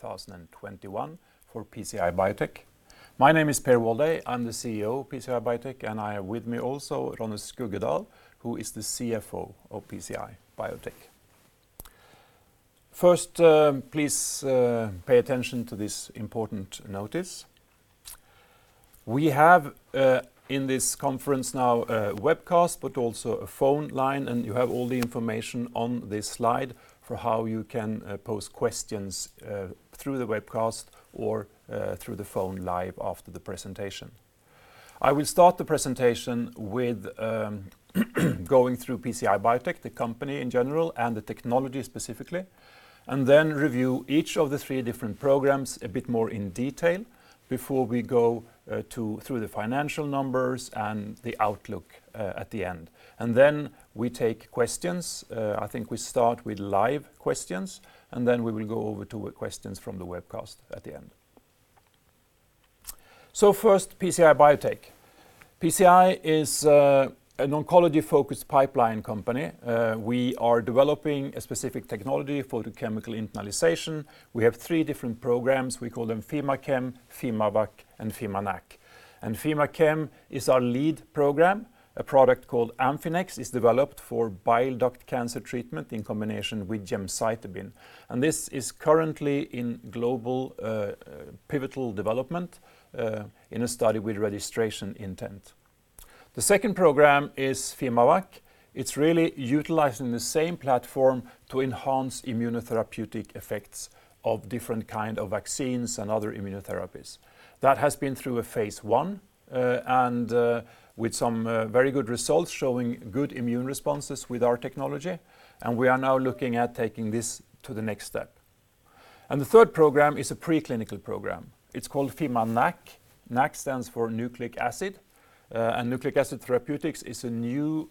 2021 for PCI Biotech. My name is Per Walday. I am the CEO of PCI Biotech, and I have with me also Ronny Skuggedal, who is the CFO of PCI Biotech. Please pay attention to this important notice. We have, in this conference now, a webcast but also a phone line, and you have all the information on this slide for how you can pose questions through the webcast or through the phone live after the presentation. I will start the presentation with going through PCI Biotech, the company in general, and the technology specifically, and then review each of the three different programs a bit more in detail before we go through the financial numbers and the outlook at the end. Then we take questions. I think we start with live questions, and then we will go over to questions from the webcast at the end. First, PCI Biotech. PCI is an oncology-focused pipeline company. We are developing a specific technology, photochemical internalization. We have three different programs. We call them fimaChem, fimaVacc, and fimaNAc. fimaChem is our lead program. A product called Amphinex is developed for bile duct cancer treatment in combination with gemcitabine. This is currently in global pivotal development in a study with registration intent. The second program is fimaVacc. It's really utilizing the same platform to enhance immunotherapeutic effects of different kind of vaccines and other immunotherapies. That has been through a phase I, and with some very good results showing good immune responses with our technology, and we are now looking at taking this to the next step. The third program is a preclinical program. It's called fimaNAc. NAc stands for nucleic acid. Nucleic acid therapeutics is a new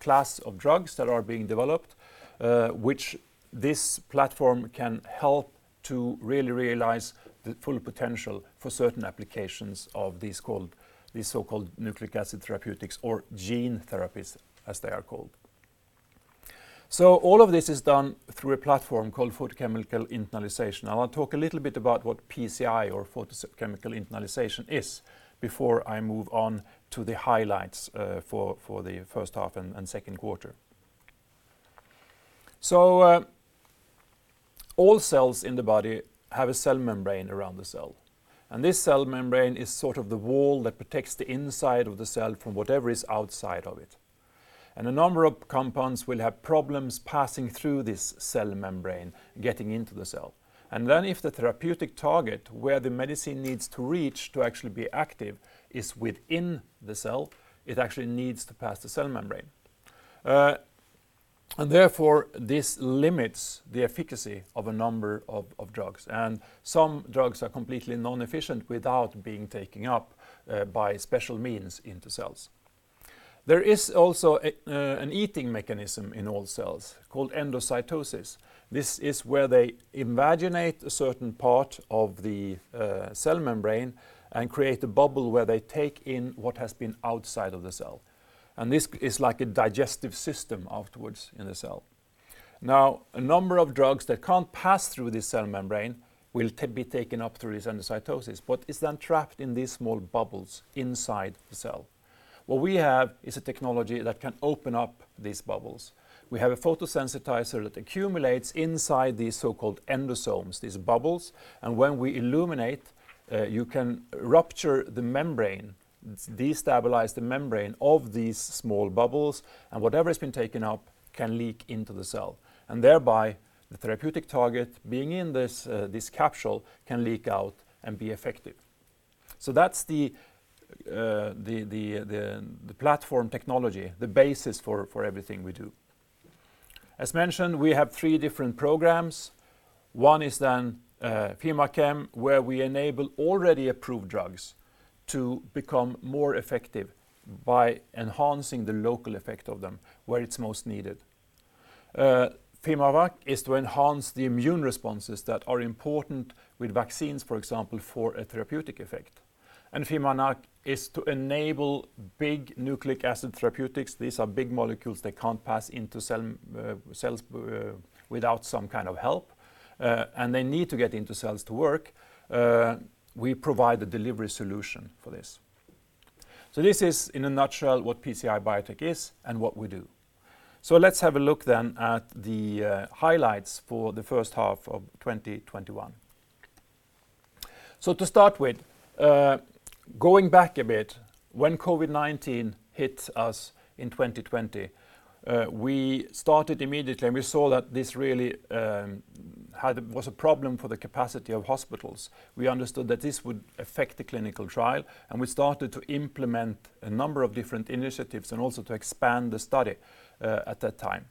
class of drugs that are being developed, which this platform can help to really realize the full potential for certain applications of these so-called nucleic acid therapeutics or gene therapies, as they are called. All of this is done through a platform called photochemical internalization. I want to talk a little bit about what PCI or photochemical internalization is before I move on to the highlights for the first half and second quarter. All cells in the body have a cell membrane around the cell. This cell membrane is the wall that protects the inside of the cell from whatever is outside of it. A number of compounds will have problems passing through this cell membrane, getting into the cell. Then if the therapeutic target, where the medicine needs to reach to actually be active, is within the cell, it actually needs to pass the cell membrane. Therefore, this limits the efficacy of a number of drugs, and some drugs are completely non-efficient without being taken up by special means into cells. There is also an eating mechanism in all cells called endocytosis. This is where they invaginate a certain part of the cell membrane and create a bubble where they take in what has been outside of the cell. This is like a digestive system afterwards in the cell. Now, a number of drugs that can't pass through this cell membrane will be taken up through this endocytosis, but it's then trapped in these small bubbles inside the cell. What we have is a technology that can open up these bubbles. We have a photosensitizer that accumulates inside these so-called endosomes, these bubbles. When we illuminate, you can rupture the membrane, destabilize the membrane of these small bubbles, and whatever has been taken up can leak into the cell. Thereby, the therapeutic target, being in this capsule, can leak out and be effective. That's the platform technology, the basis for everything we do. As mentioned, we have three different programs. one is then fimaChem, where we enable already approved drugs to become more effective by enhancing the local effect of them where it's most needed. fimaVacc is to enhance the immune responses that are important with vaccines, for example, for a therapeutic effect. fimaNAc is to enable big nucleic acid therapeutics. These are big molecules that can't pass into cells without some kind of help. They need to get into cells to work. This is, in a nutshell, what PCI Biotech is and what we do. Let's have a look then at the highlights for the first half of 2021. To start with, going back a bit, when COVID-19 hit us in 2020, we started immediately, and we saw that this really was a problem for the capacity of hospitals. We understood that this would affect the clinical trial, and we started to implement a number of different initiatives and also to expand the study at that time.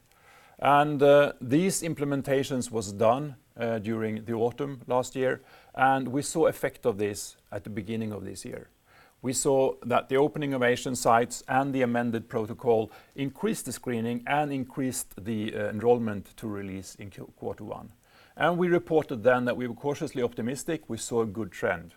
These implementations was done during the autumn last year, and we saw effect of this at the beginning of this year. We saw that the opening of Asian sites and the amended protocol increased the screening and increased the enrollment to RELEASE in quarter one. We reported then that we were cautiously optimistic. We saw a good trend.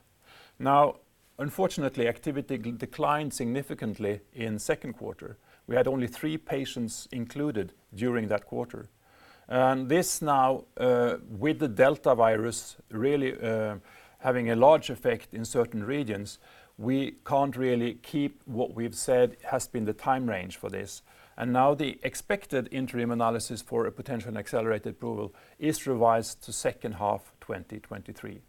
Unfortunately, activity declined significantly in second quarter. We had only three patients included during that quarter. This now, with the Delta virus really having a large effect in certain regions, we can't really keep what we've said has been the time range for this. Now the expected interim analysis for a potential accelerated approval is revised to second half 2023.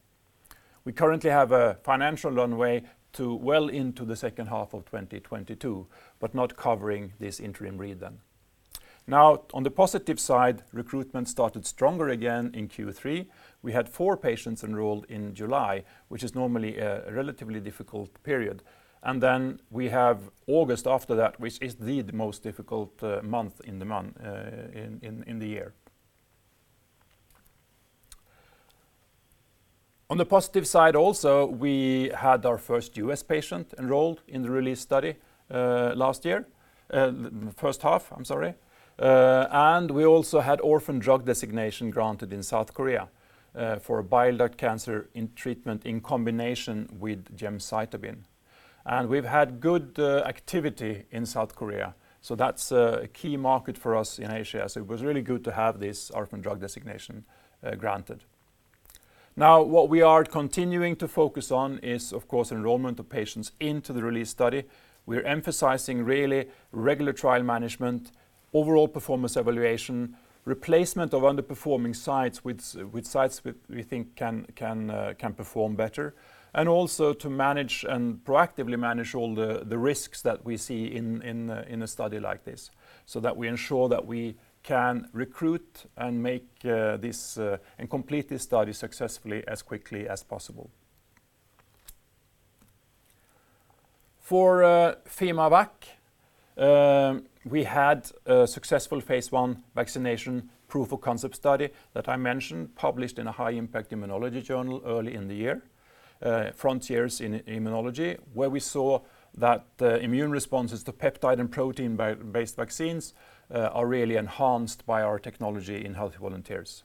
We currently have a financial runway to well into the second half of 2022, but not covering this interim read then. On the positive side, recruitment started stronger again in Q3. We had four patients enrolled in July, which is normally a relatively difficult period. We have August after that, which is the most difficult month in the year. On the positive side also, we had our first U.S. patient enrolled in the RELEASE study last year. The first half, I'm sorry. We also had orphan drug designation granted in South Korea for bile duct cancer in treatment in combination with gemcitabine. We've had good activity in South Korea, so that's a key market for us in Asia. It was really good to have this orphan drug designation granted. Now, what we are continuing to focus on is, of course, enrollment of patients into the RELEASE study. We're emphasizing really regular trial management, overall performance evaluation, replacement of underperforming sites with sites we think can perform better. Also to manage and proactively manage all the risks that we see in a study like this, so that we ensure that we can recruit and complete this study successfully as quickly as possible. For fimaVacc, we had a successful phase I vaccination proof of concept study that I mentioned, published in a high-impact immunology journal early in the year, Frontiers in Immunology, where we saw that the immune responses to peptide and protein-based vaccines are really enhanced by our technology in healthy volunteers.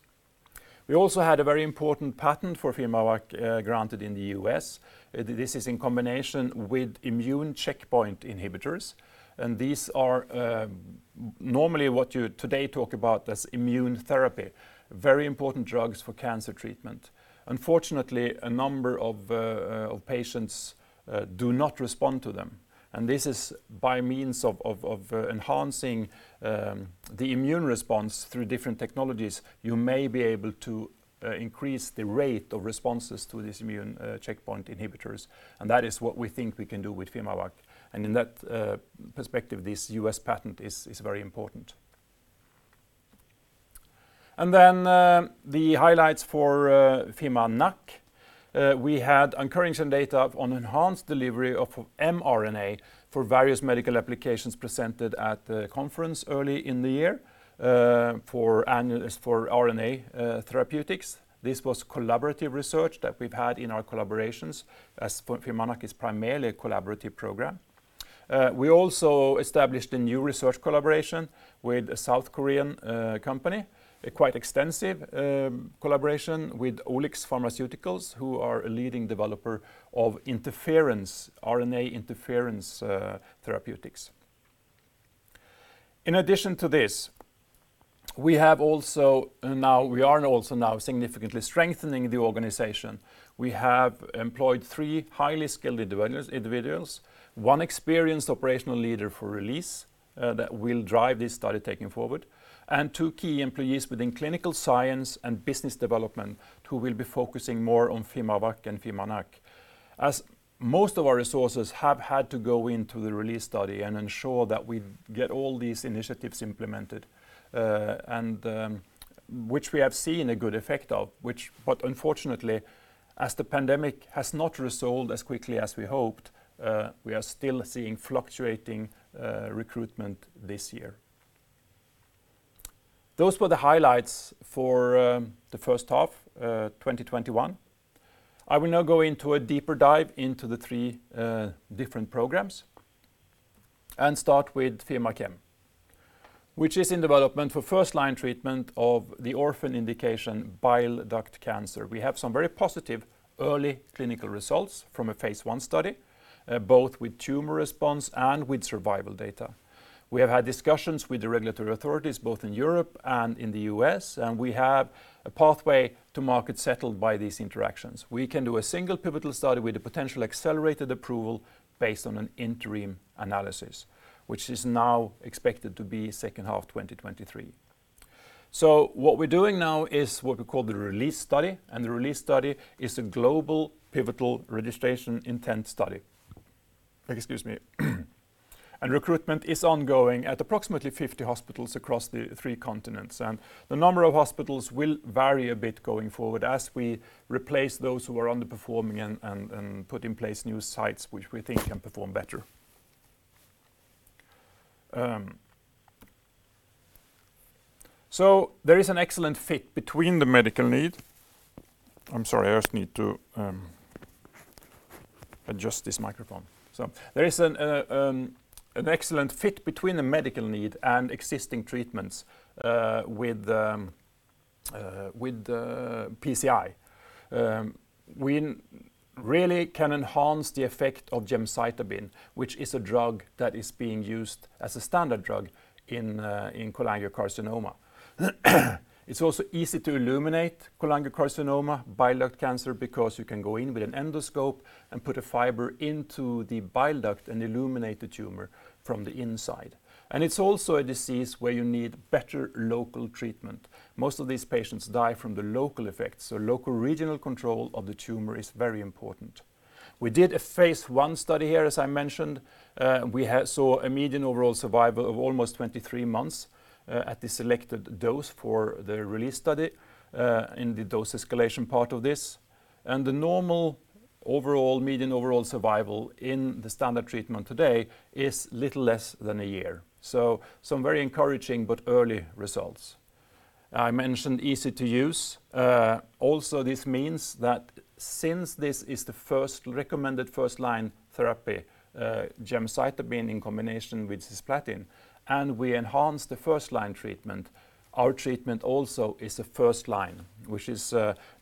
We also had a very important patent for fimaVacc granted in the U.S. This is in combination with immune checkpoint inhibitors. These are normally what you today talk about as immune therapy, very important drugs for cancer treatment. Unfortunately, a number of patients do not respond to them. This is by means of enhancing the immune response through different technologies, you may be able to increase the rate of responses to these immune checkpoint inhibitors, and that is what we think we can do with fimaVacc. In that perspective, this U.S. patent is very important. The highlights for fimaNAc. We had encouraging data on enhanced delivery of mRNA for various medical applications presented at the conference early in the year, for RNA therapeutics. This was collaborative research that we've had in our collaborations as fimaNAc is primarily a collaborative program. We also established a new research collaboration with a South Korean company, a quite extensive collaboration with OliX Pharmaceuticals, who are a leading developer of RNA interference therapeutics. In addition to this, we are also now significantly strengthening the organization. We have employed three highly skilled individuals, one experienced operational leader for RELEASE that will drive this study taking forward, and two key employees within clinical science and business development who will be focusing more on fimaVacc and fimaNAc. As most of our resources have had to go into the RELEASE study and ensure that we get all these initiatives implemented, and which we have seen a good effect of. Unfortunately, as the pandemic has not resolved as quickly as we hoped, we are still seeing fluctuating recruitment this year. Those were the highlights for the first half 2021. I will now go into a deeper dive into the three different programs and start with fimaChem, which is in development for first-line treatment of the orphan indication bile duct cancer. We have some very positive early clinical results from a phase I study, both with tumor response and with survival data. We have had discussions with the regulatory authorities both in Europe and in the U.S., and we have a pathway to market settled by these interactions. We can do a single pivotal study with a potential accelerated approval based on an interim analysis, which is now expected to be second half 2023. What we're doing now is what we call the RELEASE study, and the RELEASE study is a global pivotal registration intent study. Excuse me. Recruitment is ongoing at approximately 50 hospitals across the three continents. The number of hospitals will vary a bit going forward as we replace those who are underperforming and put in place new sites which we think can perform better. There is an excellent fit between the medical need. I'm sorry, I just need to adjust this microphone. There is an excellent fit between the medical need and existing treatments with the PCI, we really can enhance the effect of gemcitabine, which is a drug that is being used as a standard drug in cholangiocarcinoma. It's also easy to illuminate cholangiocarcinoma bile duct cancer because you can go in with an endoscope and put a fiber into the bile duct and illuminate the tumor from the inside. It's also a disease where you need better local treatment. Most of these patients die from the local effects, so local regional control of the tumor is very important. We did a phase I study here, as I mentioned. We saw a median overall survival of almost 23 months at the selected dose for the RELEASE study in the dose escalation part of this. The normal overall median overall survival in the standard treatment today is a little less than a year. Some very encouraging but early results. I mentioned easy to use. This means that since this is the recommended first-line therapy, gemcitabine in combination with cisplatin, and we enhance the first-line treatment, our treatment also is a first line, which is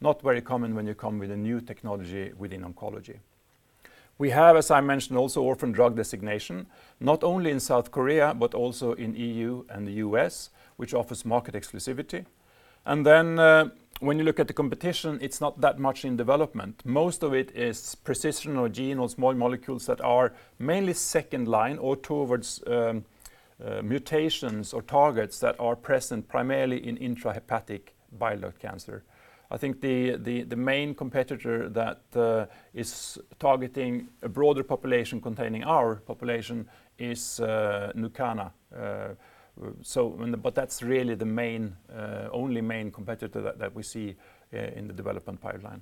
not very common when you come with a new technology within oncology. We have, as I mentioned, also orphan drug designation, not only in South Korea, but also in EU and the U.S., which offers market exclusivity. When you look at the competition, it's not that much in development. Most of it is precision or gene or small molecules that are mainly second line or towards mutations or targets that are present primarily in intrahepatic bile duct cancer. I think the main competitor that is targeting a broader population containing our population is NuCana. That's really the only main competitor that we see in the development pipeline.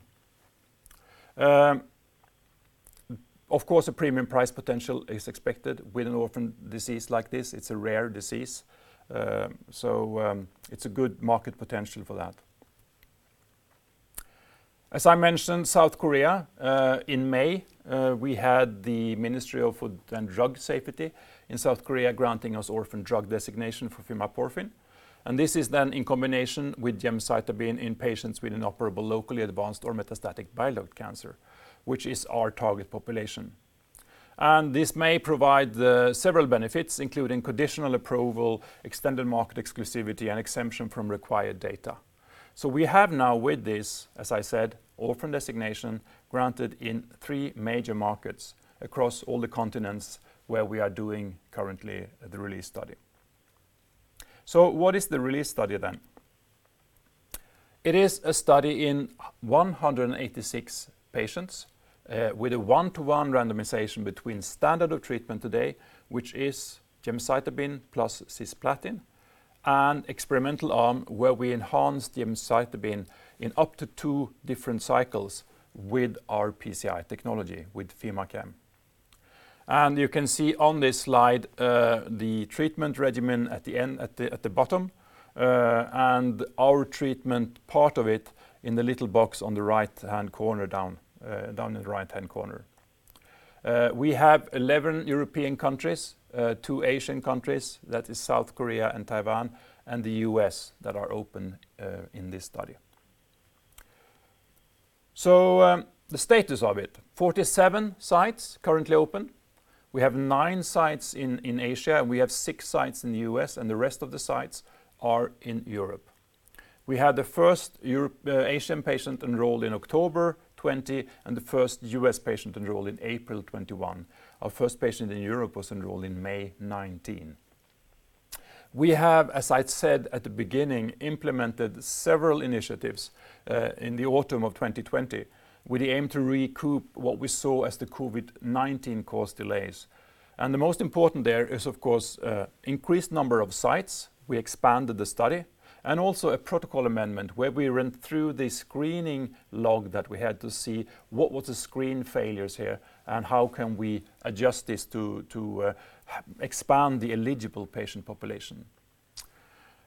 A premium price potential is expected with an orphan disease like this. It's a rare disease, it's a good market potential for that. As I mentioned, South Korea, in May, we had the Ministry of Food and Drug Safety in South Korea granting us orphan drug designation for fimaporfin. This is in combination with gemcitabine in patients with inoperable locally advanced or metastatic bile duct cancer, which is our target population. This may provide several benefits, including conditional approval, extended market exclusivity, and exemption from required data. We have now with this, as I said, orphan designation granted in three major markets across all the continents where we are doing currently the RELEASE study. What is the RELEASE study? It is a study in 186 patients with a one-to-one randomization between standard of treatment today, which is gemcitabine plus cisplatin, and experimental arm where we enhance gemcitabine in up to two different cycles with our PCI technology, with fimaChem. You can see on this slide the treatment regimen at the bottom, and our treatment, part of it, in the little box on the right-hand corner down in the right-hand corner. We have 11 European countries, two Asian countries, that is South Korea and Taiwan, and the U.S. that are open in this study. The status of it, 47 sites currently open. We have nine sites in Asia, and we have six sites in the U.S., and the rest of the sites are in Europe. We had the first Asian patient enrolled in October 2020, and the first U.S. patient enrolled in April 2021. Our first patient in Europe was enrolled in May 2019. We have, as I said at the beginning, implemented several initiatives in the autumn of 2020 with the aim to recoup what we saw as the COVID-19 course delays. The most important there is, of course, increased number of sites. We expanded the study, and also a protocol amendment where we went through the screening log that we had to see what was the screen failures here, and how can we adjust this to expand the eligible patient population.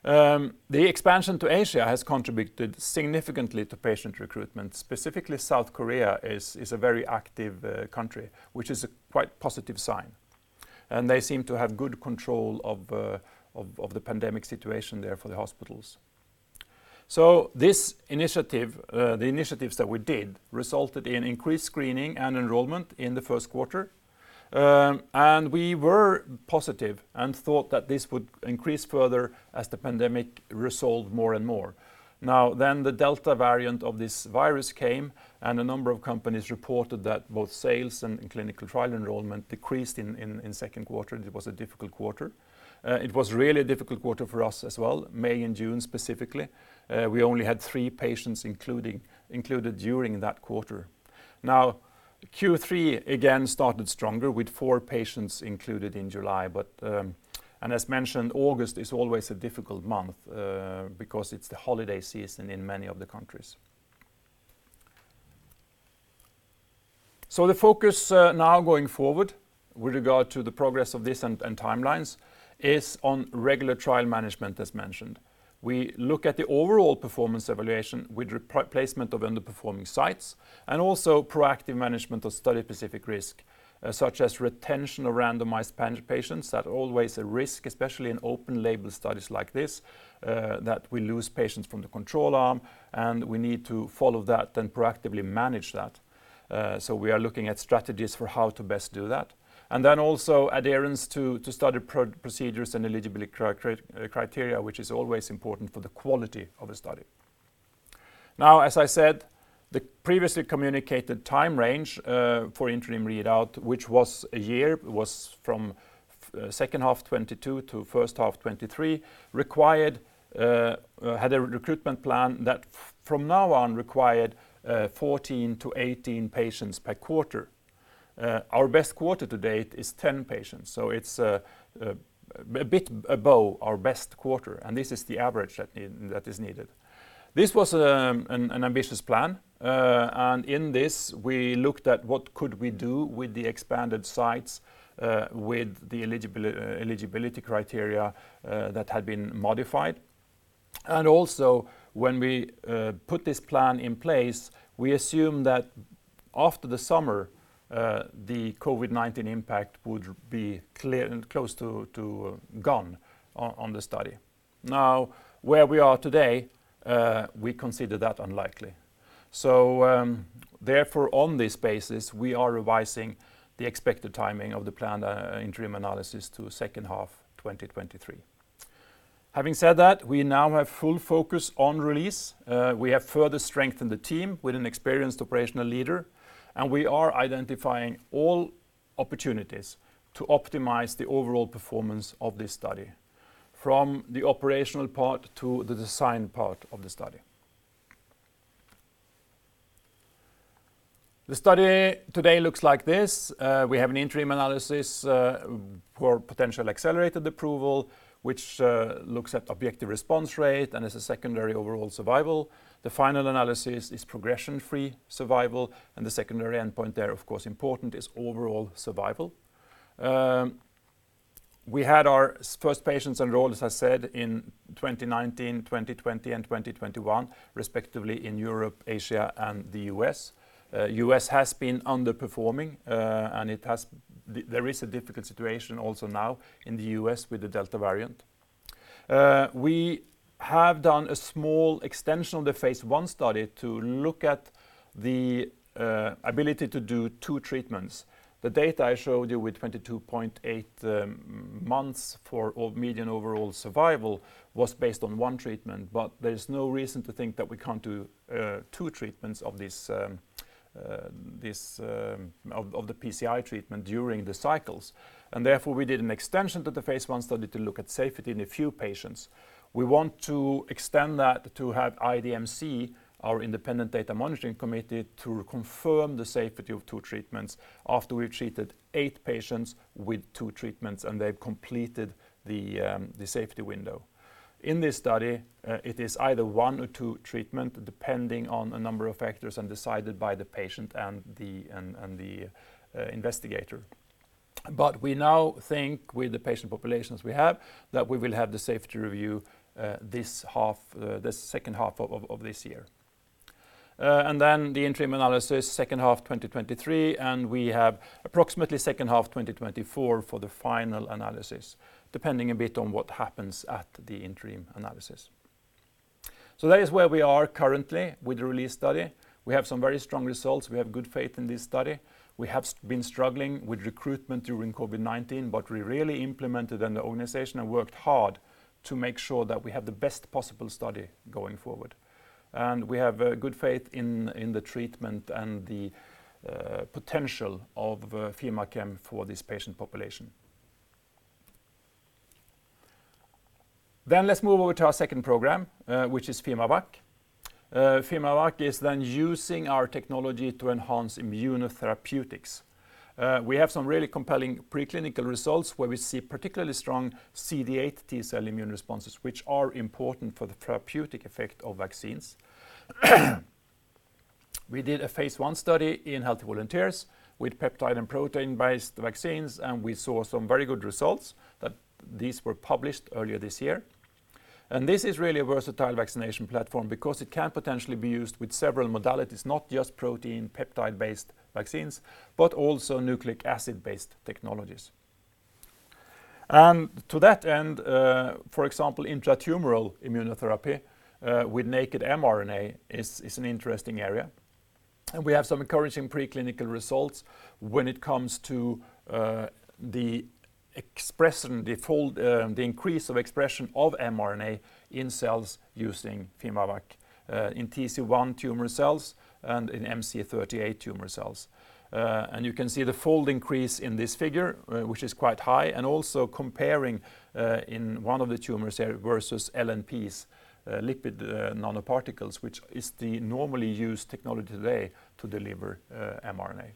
The expansion to Asia has contributed significantly to patient recruitment. Specifically, South Korea is a very active country, which is a quite positive sign. They seem to have good control of the pandemic situation there for the hospitals. This initiative, the initiatives that we did, resulted in increased screening and enrollment in the first quarter. We were positive and thought that this would increase further as the pandemic resolved more and more. The Delta variant of this virus came, a number of companies reported that both sales and clinical trial enrollment decreased in second quarter. It was a difficult quarter. It was really a difficult quarter for us as well, May and June specifically. We only had three patients included during that quarter. Q3, again, started stronger with four patients included in July. As mentioned, August is always a difficult month because it's the holiday season in many of the countries. The focus now going forward with regard to the progress of this and timelines is on regular trial management, as mentioned. We look at the overall performance evaluation with replacement of underperforming sites, and also proactive management of study specific risk, such as retention of randomized patients. That is always a risk, especially in open label studies like this, that we lose patients from the control arm, and we need to follow that then proactively manage that. We are looking at strategies for how to best do that. Also adherence to study procedures and eligibility criteria, which is always important for the quality of a study. Now, as I said, the previously communicated time range for interim readout, which was a year, was from second half 2022 to first half 2023, had a recruitment plan that from now on required 14-18 patients per quarter. Our best quarter to date is 10 patients. It's a bit above our best quarter, and this is the average that is needed. This was an ambitious plan. In this, we looked at what could we do with the expanded sites, with the eligibility criteria that had been modified. When we put this plan in place, we assumed that after the summer, the COVID-19 impact would be close to gone on the study. Where we are today, we consider that unlikely. On this basis, we are revising the expected timing of the planned interim analysis to second half 2023. Having said that, we now have full focus on RELEASE. We have further strengthened the team with an experienced operational leader, and we are identifying all opportunities to optimize the overall performance of this study, from the operational part to the design part of the study. The study today looks like this. We have an interim analysis for potential accelerated approval, which looks at objective response rate and as a secondary overall survival. The final analysis is progression-free survival, and the secondary endpoint there, of course, important is overall survival. We had our first patients enroll, as I said, in 2019, 2020 and 2021, respectively in Europe, Asia, and the U.S. U.S. has been underperforming, and there is a difficult situation also now in the U.S. with the Delta variant. We have done a small extension of the phase I study to look at the ability to do two treatments. The data I showed you with 22.8 months for median overall survival was based on one treatment. There's no reason to think that we can't do two treatments of the PCI treatment during the cycles. Therefore, we did an extension to the phase I study to look at safety in a few patients. We want to extend that to have IDMC, our Independent Data Monitoring Committee, to confirm the safety of two treatments after we've treated eight patients with two treatments and they've completed the safety window. In this study, it is either one or two treatment, depending on a number of factors and decided by the patient and the investigator. We now think with the patient populations we have, that we will have the safety review the second half of this year. The interim analysis second half 2023, and we have approximately second half 2024 for the final analysis, depending a bit on what happens at the interim analysis. That is where we are currently with the RELEASE study. We have some very strong results. We have good faith in this study. We have been struggling with recruitment during COVID-19. We really implemented in the organization and worked hard to make sure that we have the best possible study going forward. We have good faith in the treatment and the potential of fimaChem for this patient population. Let's move over to our second program, which is fimaVacc. fimaVacc is then using our technology to enhance immunotherapeutics. We have some really compelling preclinical results where we see particularly strong CD8 T cell immune responses, which are important for the therapeutic effect of vaccines. We did a phase I study in healthy volunteers with peptide and protein-based vaccines, and we saw some very good results that these were published earlier this year. This is really a versatile vaccination platform because it can potentially be used with several modalities, not just protein peptide-based vaccines, but also nucleic acid-based technologies. To that end, for example, intratumoral immunotherapy, with naked mRNA is an interesting area. We have some encouraging preclinical results when it comes to the expression default, the increase of expression of mRNA in cells using fimaVacc, in TC-1 tumor cells and in MC38 tumor cells. You can see the fold increase in this figure, which is quite high. Also comparing, in one of the tumors here versus LNPs, lipid nanoparticles, which is the normally used technology today to deliver mRNA.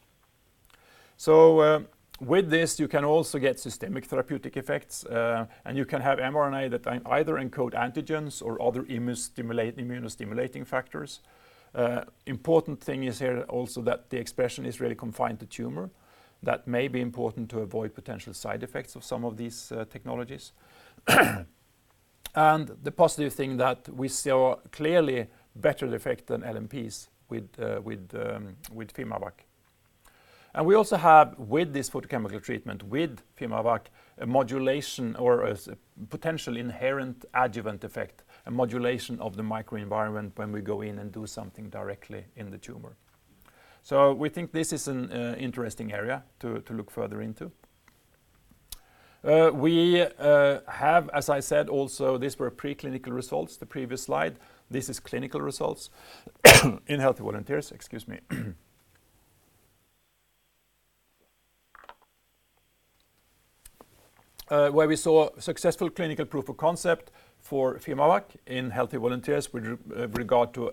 With this, you can also get systemic therapeutic effects, and you can have mRNA that either encode antigens or other immunostimulating factors. Important thing is here also that the expression is really confined to tumor that may be important to avoid potential side effects of some of these technologies. The positive thing that we saw clearly better effect than LNPs with fimaVacc. We also have with this photochemical treatment, with fimaVacc, a modulation or a potential inherent adjuvant effect, a modulation of the microenvironment when we go in and do something directly in the tumor. We think this is an interesting area to look further into. We have, as I said, also these were preclinical results, the previous slide. This is clinical results in healthy volunteers. Excuse me. Where we saw successful clinical proof of concept for fimaVacc in healthy volunteers with regard to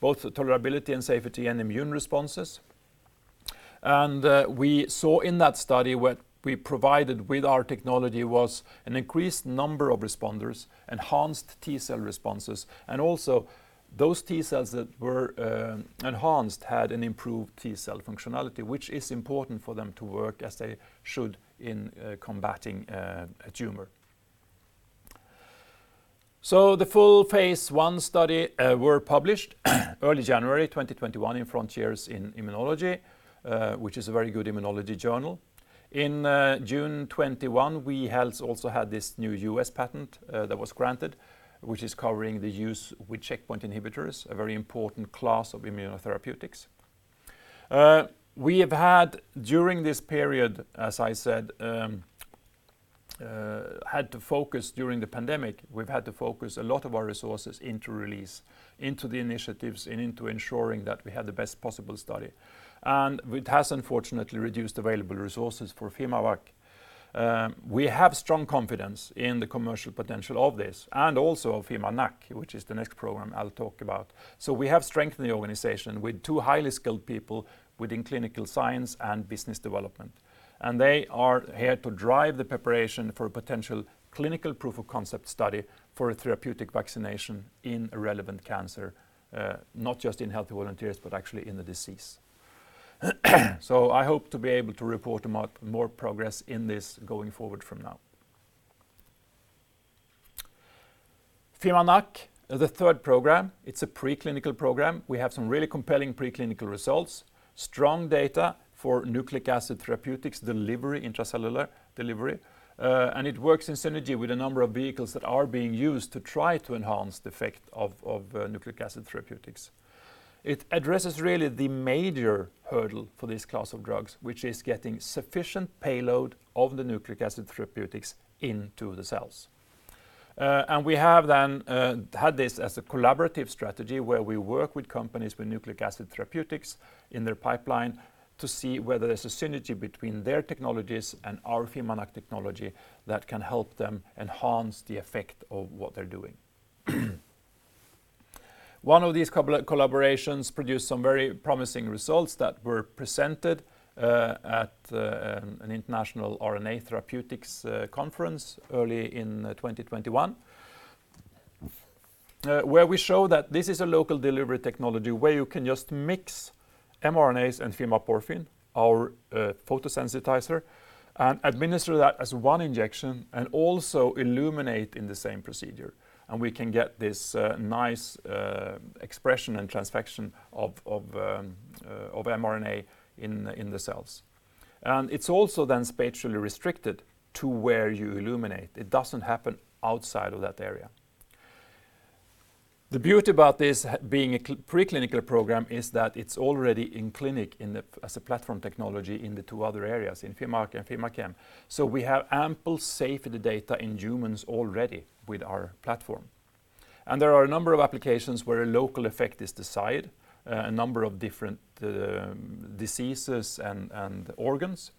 both tolerability and safety and immune responses. We saw in that study what we provided with our technology was an increased number of responders, enhanced T cell responses, and also those T cells that were enhanced had an improved T cell functionality, which is important for them to work as they should in combating a tumor. The full phase I study were published early January 2021 in Frontiers in Immunology, which is a very good immunology journal. In June 2021, we also had this new U.S. patent that was granted, which is covering the use with checkpoint inhibitors, a very important class of immunotherapeutics. We have had, during this period, as I said, had to focus during the pandemic, we've had to focus a lot of our resources into RELEASE, into the initiatives, and into ensuring that we had the best possible study. It has unfortunately reduced available resources for fimaVacc. We have strong confidence in the commercial potential of this, and also of fimaNAc, which is the next program I'll talk about. We have strengthened the organization with two highly skilled people within clinical science and business development. They are here to drive the preparation for a potential clinical proof of concept study for a therapeutic vaccination in a relevant cancer, not just in healthy volunteers, but actually in the diseased. I hope to be able to report more progress in this going forward from now. fimaNAc is the third program. It's a preclinical program. We have some really compelling preclinical results, strong data for nucleic acid therapeutics delivery, intracellular delivery, and it works in synergy with a number of vehicles that are being used to try to enhance the effect of nucleic acid therapeutics. It addresses really the major hurdle for this class of drugs, which is getting sufficient payload of the nucleic acid therapeutics into the cells. We have then had this as a collaborative strategy where we work with companies with nucleic acid therapeutics in their pipeline to see whether there is a synergy between their technologies and our fimaNAc technology that can help them enhance the effect of what they are doing. One of these collaborations produced some very promising results that were presented at an international RNA conference early in 2021, where we show that this is a local delivery technology where you can just mix mRNAs and fimaporfin, our photosensitizer, and administer that as one injection and also illuminate in the same procedure. We can get this nice expression and transfection of mRNA in the cells. It is also then spatially restricted to where you illuminate. It does not happen outside of that area. The beauty about this being a preclinical program is that it's already in clinic as a platform technology in the two other areas, in fimaVacc and fimaChem. We have ample safety data in humans already with our platform. There are a number of applications where a local effect is desired, a number of different diseases and organs.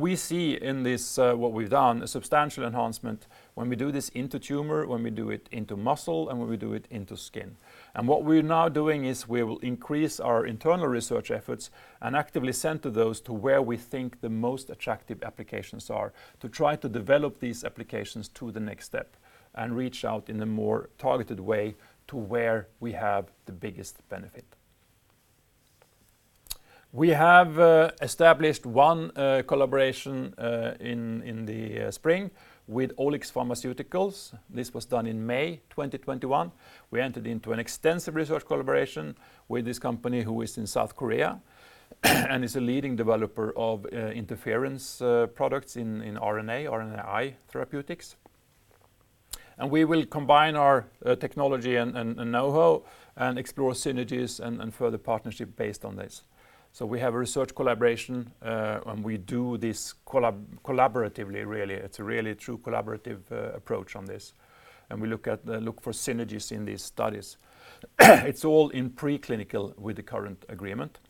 We see in this, what we've done, a substantial enhancement when we do this into tumor, when we do it into muscle, and when we do it into skin. What we're now doing is we will increase our internal research efforts and actively center those to where we think the most attractive applications are to try to develop these applications to the next step and reach out in a more targeted way to where we have the biggest benefit. We have established one collaboration in the spring with OliX Pharmaceuticals. This was done in May 2021. We entered into an extensive research collaboration with this company who is in South Korea and is a leading developer of interference products in RNA or RNAi therapeutics. We will combine our technology and know-how and explore synergies and further partnership based on this. We have a research collaboration, and we do this collaboratively, really. It's a really true collaborative approach on this. We look for synergies in these studies. It's all in preclinical with the current agreement.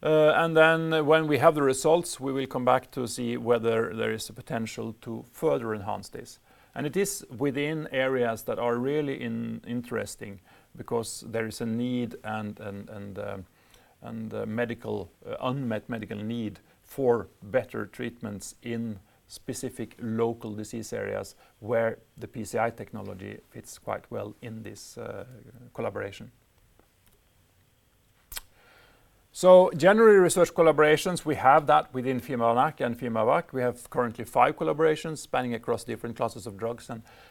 When we have the results, we will come back to see whether there is a potential to further enhance this. It is within areas that are really interesting because there is an unmet medical need for better treatments in specific local disease areas where the PCI technology fits quite well in this collaboration. Generally, research collaborations, we have that within fimaNAc and fimaVacc. We have currently five collaborations spanning across different classes of drugs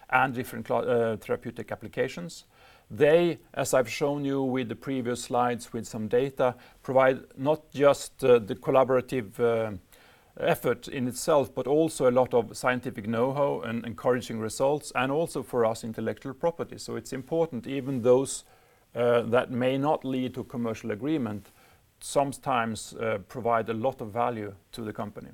and different therapeutic applications. They, as I've shown you with the previous slides with some data, provide not just the collaborative effort in itself, but also a lot of scientific know-how and encouraging results, and also for us intellectual property. It's important even those that may not lead to commercial agreement sometimes provide a lot of value to the company.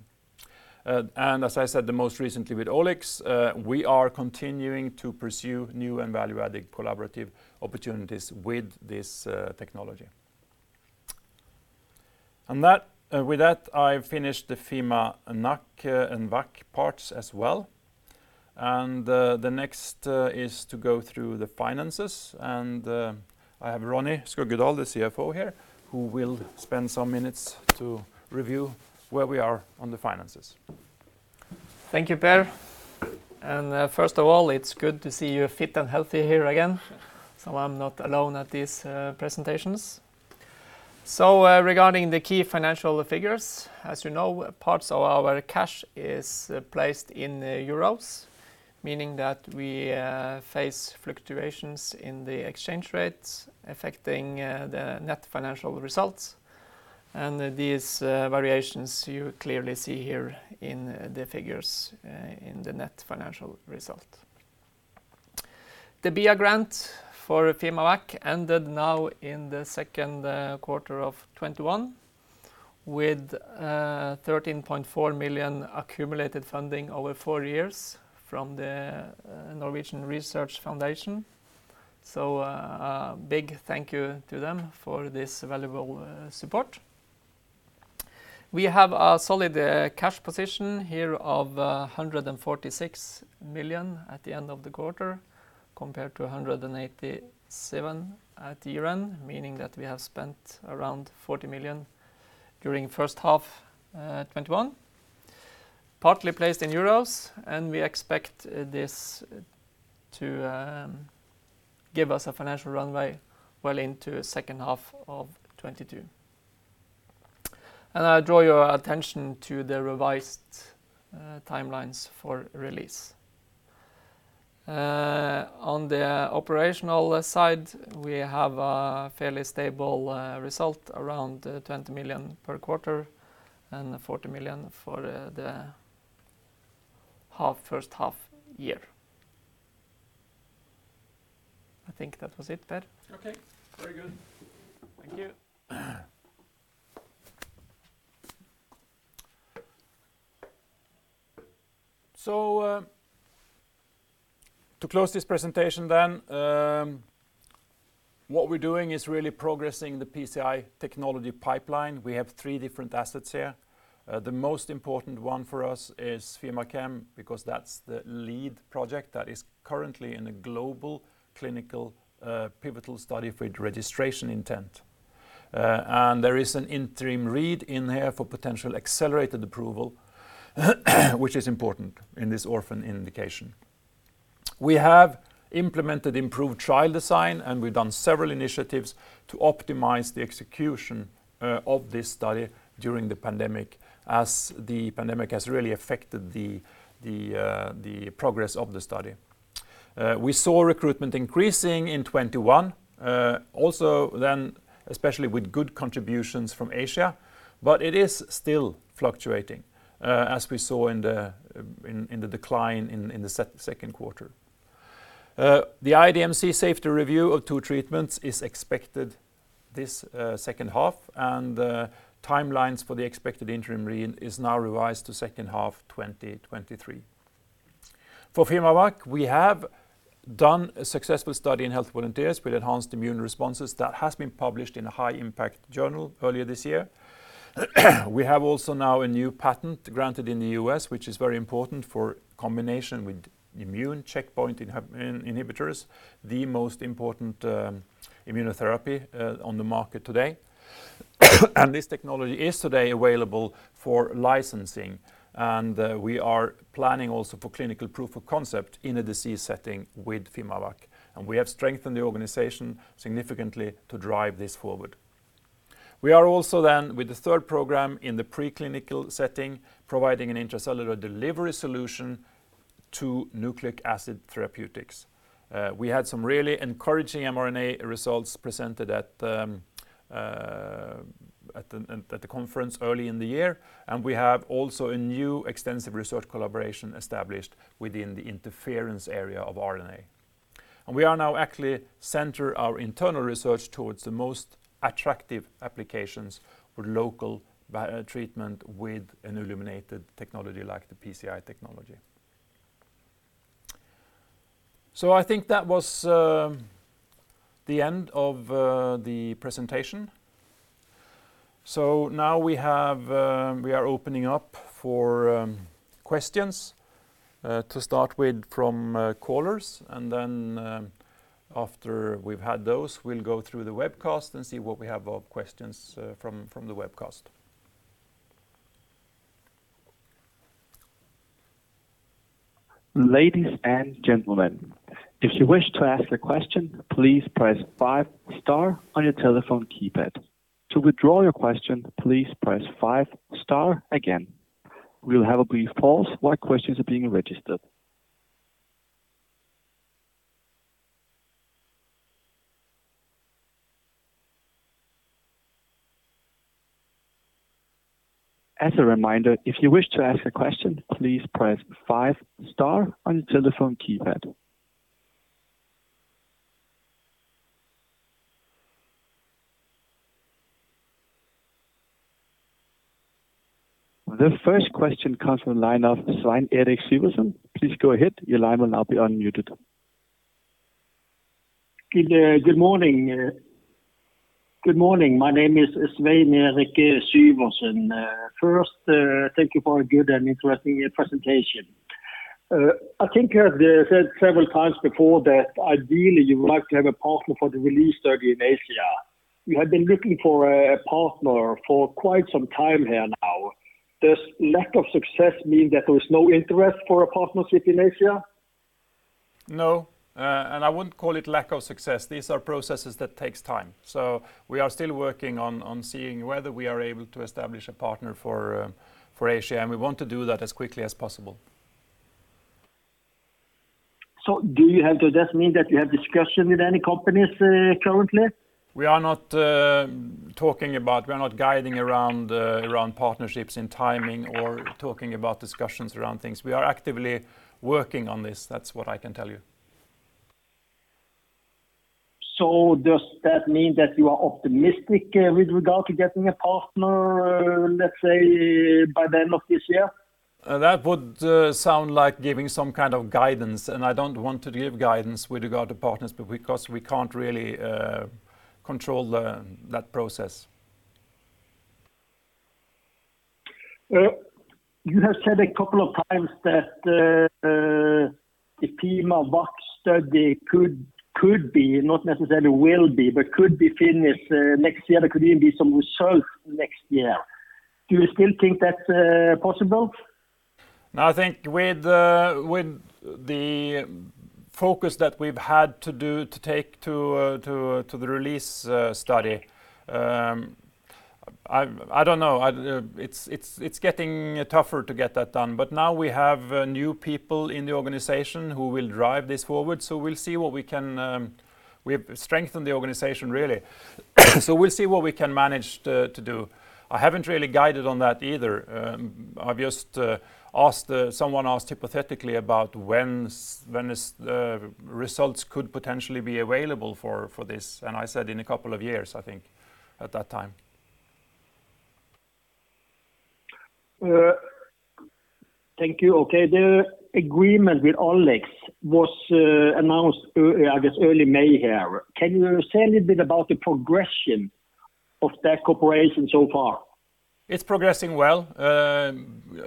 As I said, the most recently with OliX, we are continuing to pursue new and value-added collaborative opportunities with this technology. With that, I've finished the fimaNAc and Vac parts as well. The next is to go through the finances. I have Ronny Skuggedal, the CFO here, who will spend some minutes to review where we are on the finances. Thank you, Per. First of all, it's good to see you fit and healthy here again, so I'm not alone at these presentations. Regarding the key financial figures, as you know, parts of our cash is placed in euros, meaning that we face fluctuations in the exchange rates affecting the net financial results. These variations you clearly see here in the figures in the net financial result. The BIA grant for fimaVacc ended now in the second quarter of 2021 with 13.4 million accumulated funding over four years from The Norwegian Research Foundation. A big thank you to them for this valuable support. We have a solid cash position here of 146 million at the end of the quarter, compared to 187 million at year-end, meaning that we have spent around 40 million during first half 2021. Partly placed in euros, we expect this to give us a financial runway well into second half of 2022. I draw your attention to the revised timelines for RELEASE. On the operational side, we have a fairly stable result, around 20 million per quarter and 40 million for the first half year. I think that was it, Per. Okay. Very good. Thank you. To close this presentation then, what we're doing is really progressing the PCI technology pipeline. We have three different assets here. The most important one for us is fimaChem, because that's the lead project that is currently in a global clinical pivotal study with registration intent. There is an interim read in here for potential accelerated approval, which is important in this orphan indication. We have implemented improved trial design, and we've done several initiatives to optimize the execution of this study during the pandemic, as the pandemic has really affected the progress of the study. We saw recruitment increasing in 2021, also then especially with good contributions from Asia, but it is still fluctuating, as we saw in the decline in the second quarter. The IDMC safety review of two treatments is expected this second half. The timelines for the expected interim read is now revised to second half 2023. For fimaVacc, we have done a successful study in health volunteers with enhanced immune responses that has been published in a high impact journal earlier this year. We also now a new patent granted in the U.S., which is very important for combination with immune checkpoint inhibitors, the most important immunotherapy on the market today. This technology is today available for licensing. We are planning also for clinical proof of concept in a disease setting with fimaVacc. We have strengthened the organization significantly to drive this forward. We are also then with the third program in the preclinical setting, providing an intracellular delivery solution to nucleic acid therapeutics. We had some really encouraging mRNA results presented at the conference early in the year, and we have also a new extensive research collaboration established within the interference area of RNA. We are now actually center our internal research towards the most attractive applications for local treatment with an illuminated technology like the PCI technology. I think that was the end of the presentation. Now we are opening up for questions, to start with from callers, and then after we've had those, we'll go through the webcast and see what we have of questions from the webcast. Ladies and gentlemen, if you wish to ask a question, please press five star on your telephone keypad. To withdraw your question, please press five star again. We'll have a brief pause while questions are being registered. As a reminder, if you wish to ask a question, please press five star on your telephone keypad. The first question comes from the line of Svein Erik Syvertsen. Please go ahead. Your line will now be unmuted. Good morning. My name is Svein Erik Syvertsen. First, thank you for a good and interesting presentation. I think you have said several times before that ideally you would like to have a partner for the RELEASE study in Asia. You have been looking for a partner for quite some time here now. Does lack of success mean that there is no interest for a partnership in Asia? No, and I wouldn't call it lack of success. These are processes that takes time. We are still working on seeing whether we are able to establish a partner for Asia, and we want to do that as quickly as possible. Does that mean that you have discussion with any companies currently? We are not guiding around partnerships and timing or talking about discussions around things. We are actively working on this. That is what I can tell you. Does that mean that you are optimistic with regard to getting a partner, let's say by the end of this year? That would sound like giving some kind of guidance, and I don't want to give guidance with regard to partners because we can't really control that process. You have said a couple of times that the fimaVacc study could be, not necessarily will be, but could be finished next year. There could even be some results next year. Do you still think that's possible? I think with the focus that we've had to take to the RELEASE study, I don't know. It's getting tougher to get that done. Now we have new people in the organization who will drive this forward, we'll see what we can. We have strengthened the organization, really. We'll see what we can manage to do. I haven't really guided on that either. Someone asked hypothetically about when the results could potentially be available for this, I said in a couple of years, I think, at that time. Thank you. Okay. The agreement with OliX was announced, I guess, early May here. Can you say a little bit about the progression of that cooperation so far? It's progressing well.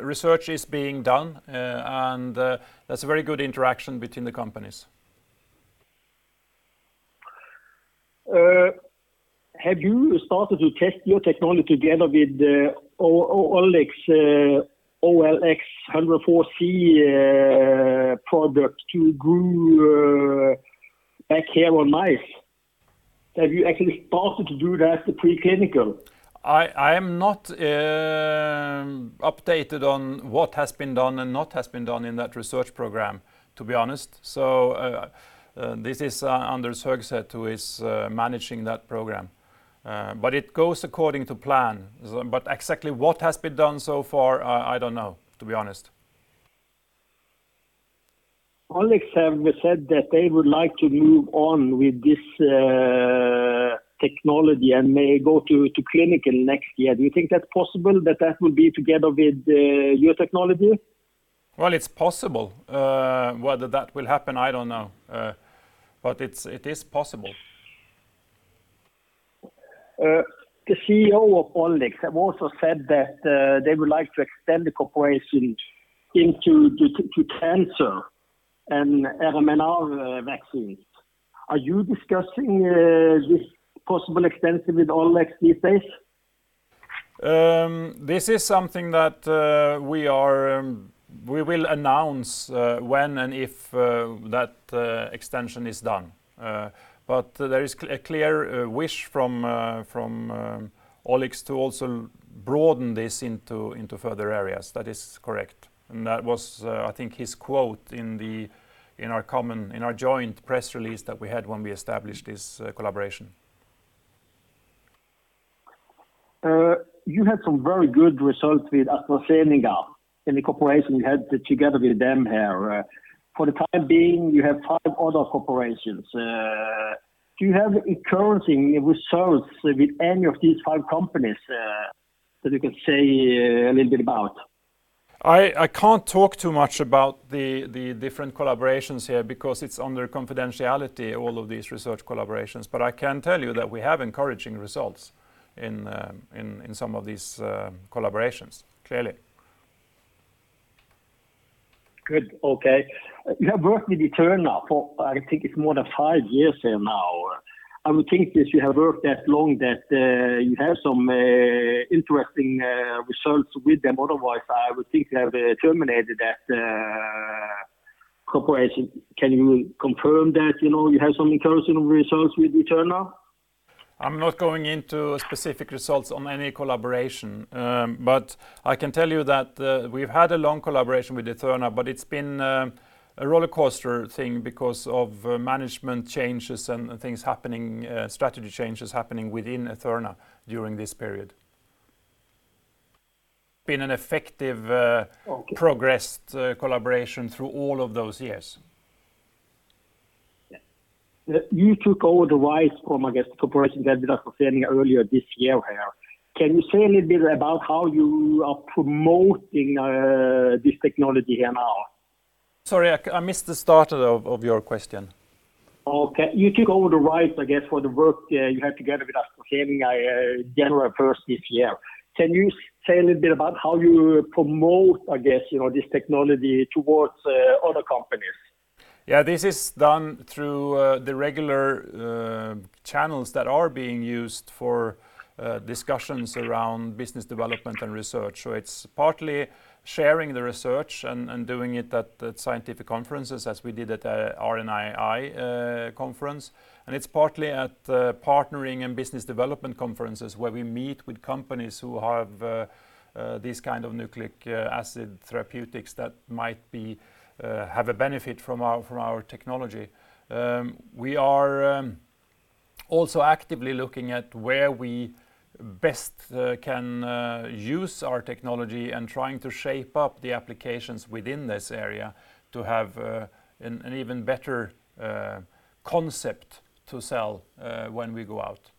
Research is being done, and there's a very good interaction between the companies. Have you started to test your technology together with OliX OLX104C product to grew back hair on mice? Have you actually started to do that, the preclinical? I am not updated on what has been done and not has been done in that research program, to be honest. This is Anders Høgset who is managing that program. It goes according to plan. Exactly what has been done so far, I don't know, to be honest. OliX have said that they would like to move on with this technology and may go to clinical next year. Do you think that's possible, that that will be together with your technology? Well, it's possible. Whether that will happen, I don't know. It is possible. The CEO of OliX have also said that they would like to extend the cooperation into cancer and mRNA vaccines. Are you discussing this possible extension with OliX these days? This is something that we will announce when and if that extension is done. There is a clear wish from OliX to also broaden this into further areas. That is correct. That was, I think his quote in our joint press release that we had when we established this collaboration. You had some very good results with AstraZeneca in the cooperation you had together with them here. For the time being, you have five other corporations. Do you have encouraging results with any of these five companies that you can say a little bit about? I can't talk too much about the different collaborations here because it's under confidentiality, all of these research collaborations. I can tell you that we have encouraging results in some of these collaborations. Clearly. Good. Okay. You have worked with etherna for, I think it's more than five years here now. I would think since you have worked that long, that you have some interesting results with them. Otherwise, I would think they have terminated that cooperation. Can you confirm that you have some interesting results with etherna? I'm not going into specific results on any collaboration. I can tell you that we've had a long collaboration with etherna, but it's been a rollercoaster thing because of management changes and strategy changes happening within etherna during this period. It's been an effective progress collaboration through all of those years. Yeah. You took over the rights from, I guess, the cooperation with AstraZeneca earlier this year here. Can you say a little bit about how you are promoting this technology now? Sorry, I missed the start of your question. Okay. You took over the rights, I guess, for the work you had together with AstraZeneca on January 1st this year. Can you say a little bit about how you promote, I guess, this technology towards other companies? Yeah, this is done through the regular channels that are being used for discussions around business development and research. It's partly sharing the research and doing it at scientific conferences as we did at RNAi conference. It's partly at partnering and business development conferences where we meet with companies who have these kinds of nucleic acid therapeutics that might have a benefit from our technology. We are also actively looking at where we best can use our technology and trying to shape up the applications within this area to have an even better concept to sell when we go out.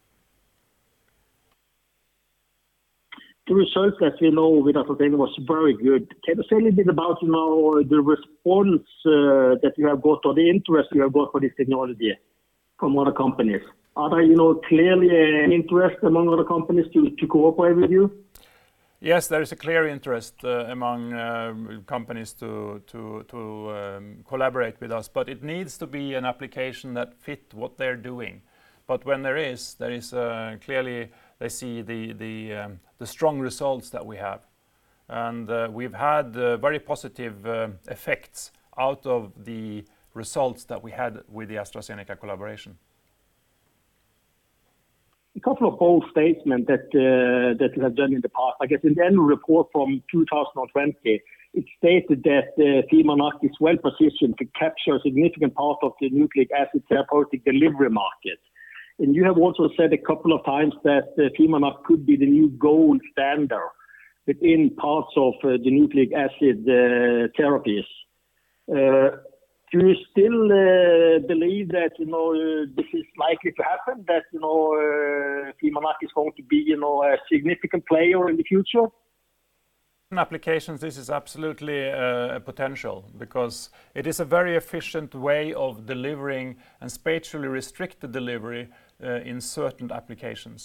The results, as you know, with AstraZeneca was very good. Can you say a little bit about the response that you have got or the interest you have got for this technology from other companies? Are there clearly an interest among other companies to cooperate with you? Yes, there is a clear interest among companies to collaborate with us, but it needs to be an application that fit what they're doing. When there is, clearly they see the strong results that we have. We've had very positive effects out of the results that we had with the AstraZeneca collaboration. A couple of bold statements that you have done in the past, I guess, in the annual report from 2020, it stated that fimaNAc is well-positioned to capture a significant part of the nucleic acid therapeutic delivery market. You have also said a couple of times that fimaNAc could be the new gold standard within parts of the nucleic acid therapies. Do you still believe that this is likely to happen, that fimaNAc is going to be a significant player in the future? In applications, this is absolutely a potential because it is a very efficient way of delivering and spatially restricted delivery in certain applications.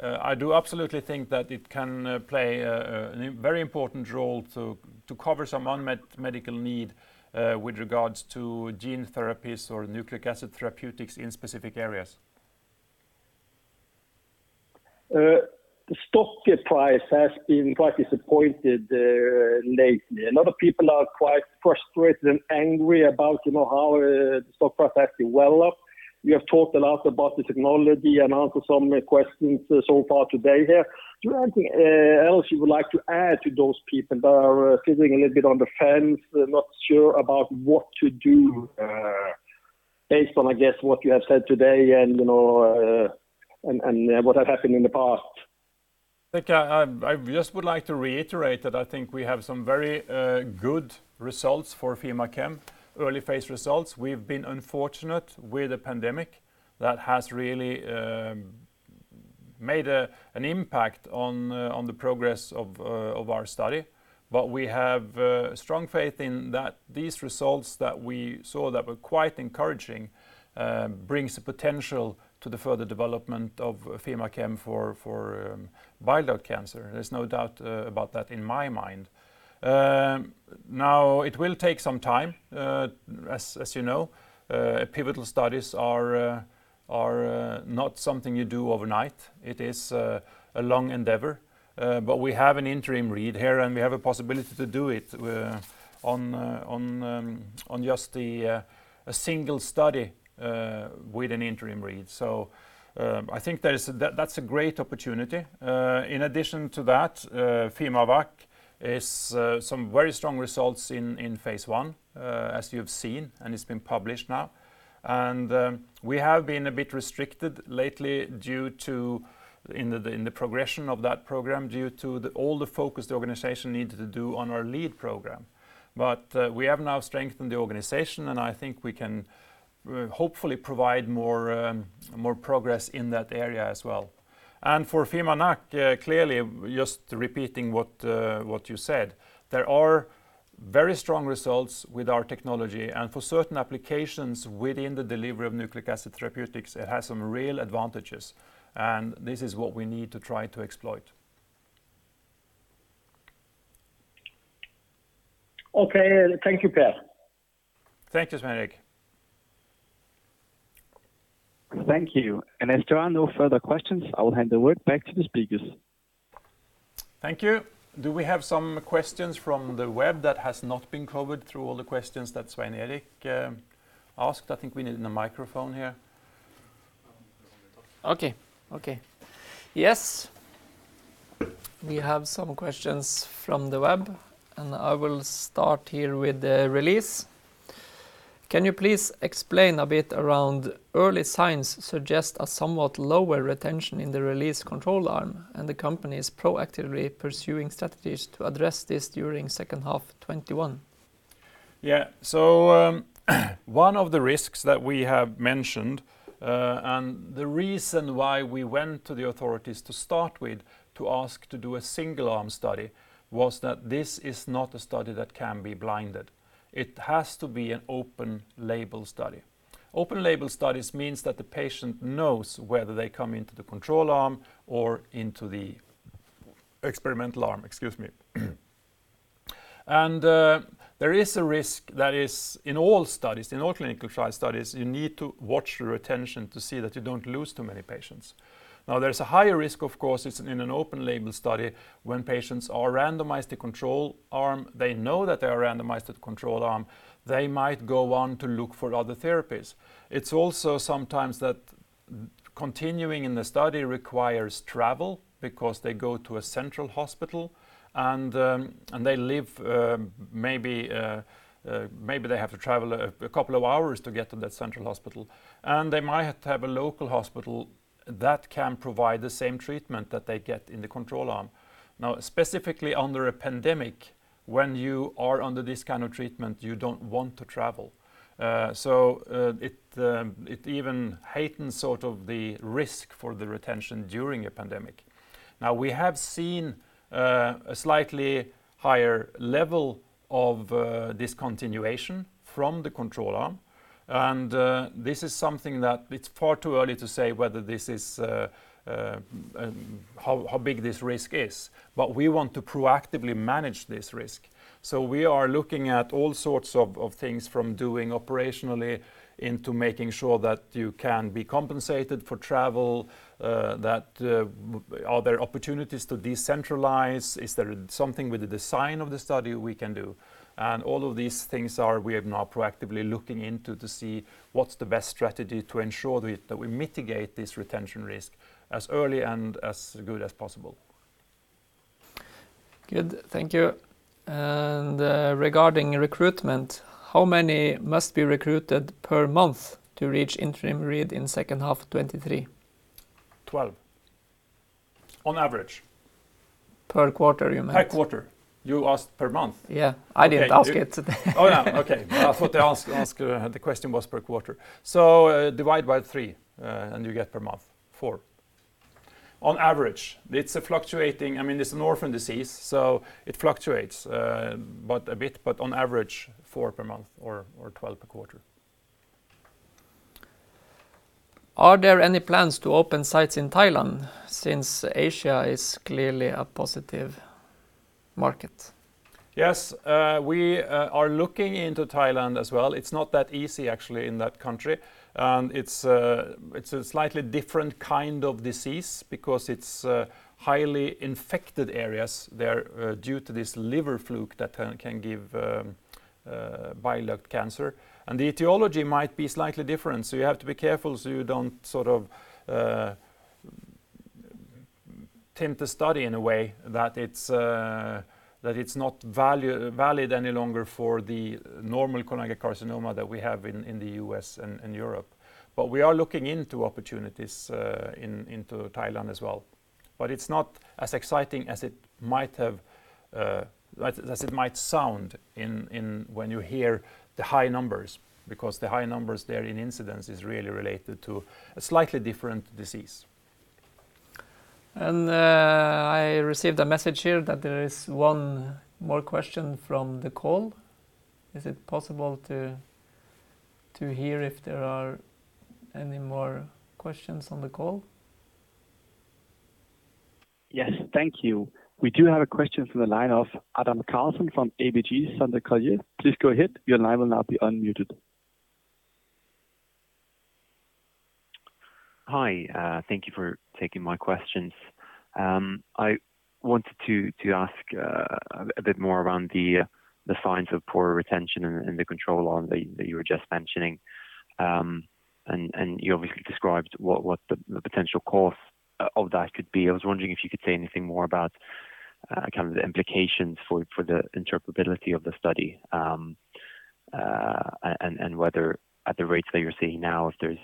I do absolutely think that it can play a very important role to cover some unmet medical need with regards to gene therapies or nucleic acid therapeutics in specific areas. The stock price has been quite disappointing lately. A lot of people are quite frustrated and angry about how the stock price has been well up. We have talked a lot about the technology and answered some questions so far today here. Is there anything else you would like to add to those people that are sitting a little bit on the fence, not sure about what to do based on, I guess, what you have said today and what has happened in the past? I just would like to reiterate that I think we have some very good results for fimaChem, early phase results. We've been unfortunate with the pandemic that has really made an impact on the progress of our study. We have strong faith in these results that we saw that were quite encouraging, brings the potential to the further development of fimaChem for bile duct cancer. There's no doubt about that in my mind. It will take some time, as you know. Pivotal studies are not something you do overnight. It is a long endeavor. We have an interim read here, and we have a possibility to do it on just a single study with an interim read. I think that's a great opportunity. In addition to that, fimaVacc has some very strong results in phase I, as you have seen, and it's been published now. We have been a bit restricted lately in the progression of that program due to all the focus the organization needed to do on our lead program. We have now strengthened the organization, and I think we can hopefully provide more progress in that area as well. For fimaNAc, clearly, just repeating what you said, there are very strong results with our technology. For certain applications within the delivery of nucleic acid therapeutics, it has some real advantages, and this is what we need to try to exploit. Okay. Thank you, Per. Thank you, Svein Erik. Thank you. If there are no further questions, I will hand the word back to the speakers. Thank you. Do we have some questions from the web that has not been covered through all the questions that Svein Erik asked? I think we need a microphone here. Okay. Yes. We have some questions from the web, and I will start here with the RELEASE. Can you please explain a bit around early signs suggest a somewhat lower retention in the RELEASE control arm and the company is proactively pursuing strategies to address this during second half 2021? Yeah. One of the risks that we have mentioned, and the reason why we went to the authorities to start with to ask to do a single-arm study, was that this is not a study that can be blinded. It has to be an open-label study. Open-label studies means that the patient knows whether they come into the control arm or into the experimental arm. Excuse me. There is a risk that is in all studies, in all clinical-trial studies, you need to watch your retention to see that you don't lose too many patients. Now, there's a higher risk, of course, it's in an open-label study when patients are randomized to control arm, they know that they are randomized to control arm. They might go on to look for other therapies. It's also sometimes that continuing in the study requires travel because they go to a central hospital and they live, maybe they have to travel a couple of hours to get to that central hospital. They might have a local hospital that can provide the same treatment that they get in the control arm. Now, specifically under a pandemic, when you are under this kind of treatment, you don't want to travel. It even heightens the risk for the retention during a pandemic. Now, we have seen a slightly higher level of discontinuation from the control arm. This is something that it's far too early to say whether this is how big this risk is. We want to proactively manage this risk. We are looking at all sorts of things from doing operationally into making sure that you can be compensated for travel. That are there opportunities to decentralize? Is there something with the design of the study we can do? All of these things we are now proactively looking into to see what's the best strategy to ensure that we mitigate this retention risk as early and as good as possible. Good. Thank you. Regarding recruitment, how many must be recruited per month to reach interim read in second half 2023? 12. On average. Per quarter, you meant? Per quarter. You asked per month? Yeah. I didn't ask it. Oh, yeah. Okay. I thought the question was per quarter. Divide by three, and you get per month. Four. On average. It's a fluctuating I mean, it's an orphan disease, so it fluctuates a bit, but on average, four per month or 12 per quarter. Are there any plans to open sites in Thailand since Asia is clearly a positive market? Yes. We are looking into Thailand as well. It's not that easy, actually, in that country. It's a slightly different kind of disease because it's highly infected areas there due to this liver fluke that can give bile duct cancer. The etiology might be slightly different, you have to be careful you don't sort of taint the study in a way that it's not valid any longer for the normal cholangiocarcinoma that we have in the U.S. and Europe. We are looking into opportunities into Thailand as well. It's not as exciting as it might sound when you hear the high numbers, the high numbers there in incidence is really related to a slightly different disease. I received a message here that there is one more question from the call. Is it possible to hear if there are any more questions on the call? Yes. Thank you. We do have a question from the line of Adam Karlsson from ABG Sundal Collier. Please go ahead. Hi. Thank you for taking my questions. I wanted to ask a bit more around the signs of poor retention in the control arm that you were just mentioning. You obviously described what the potential cause of that could be. I was wondering if you could say anything more about the implications for the interpretability of the study, and whether at the rates that you're seeing now, if there's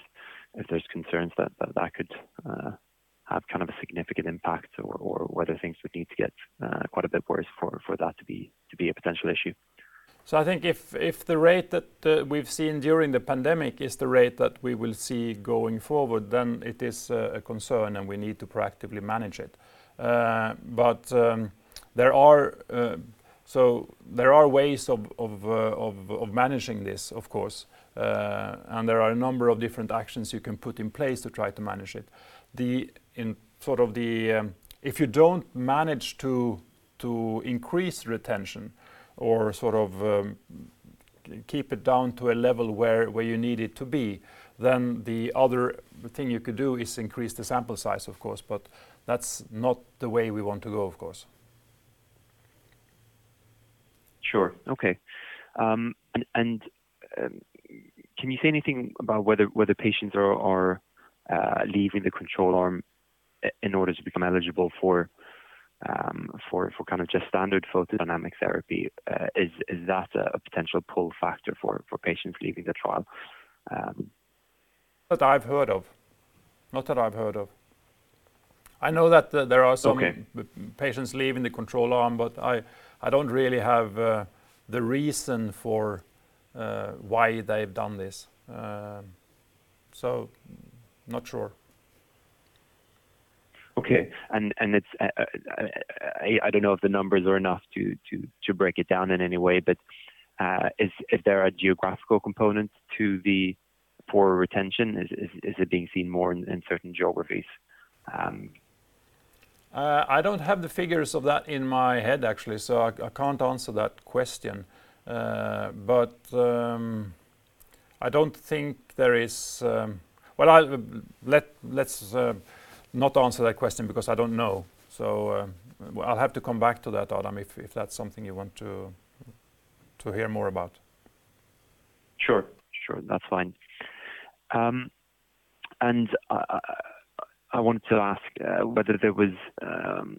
concerns that that could have a significant impact or whether things would need to get quite a bit worse for that to be a potential issue? I think if the rate that we've seen during the pandemic is the rate that we will see going forward, then it is a concern and we need to proactively manage it. There are ways of managing this, of course. There are a number of different actions you can put in place to try to manage it. If you don't manage to increase retention or keep it down to a level where you need it to be. The other thing you could do is increase the sample size, of course, but that's not the way we want to go. Sure. Okay. Can you say anything about whether patients are leaving the control arm in order to become eligible for just standard photodynamic therapy? Is that a potential pull factor for patients leaving the trial? Not that I've heard of. I know that there are some patients leaving the control arm, but I don't really have the reason for why they've done this. Not sure. Okay. I don't know if the numbers are enough to break it down in any way, but is there a geographical component to the poor retention? Is it being seen more in certain geographies? I don't have the figures of that in my head, actually, so I can't answer that question. Let's not answer that question because I don't know. I'll have to come back to that, Adam, if that's something you want to hear more about. Sure. That's fine. I wanted to ask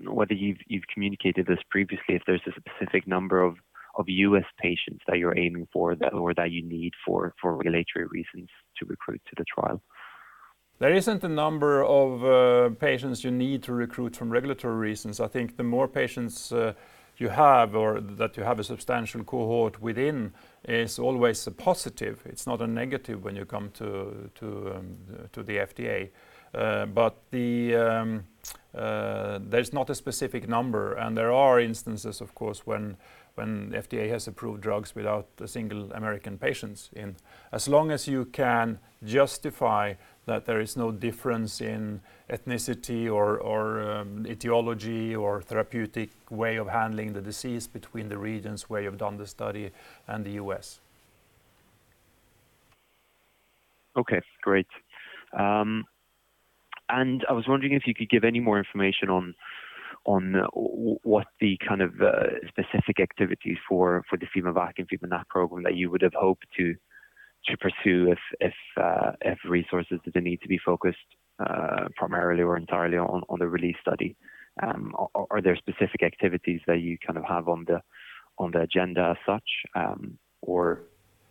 whether you've communicated this previously, if there's a specific number of U.S. patients that you're aiming for, or that you need for regulatory reasons to recruit to the trial. There isn't a number of patients you need to recruit from regulatory reasons. I think the more patients you have, or that you have a substantial cohort within, is always a positive. It's not a negative when you come to the FDA. There's not a specific number, and there are instances, of course, when FDA has approved drugs without a single American patient in. As long as you can justify that there is no difference in ethnicity or etiology or therapeutic way of handling the disease between the regions where you've done the study and the U.S. Okay. Great. I was wondering if you could give any more information on what the specific activities for the fimaVacc and fimaNAc program that you would have hoped to pursue if resources didn't need to be focused primarily or entirely on the RELEASE study. Are there specific activities that you have on the agenda as such, or